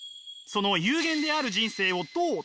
その有限である人生をどう捉えるか。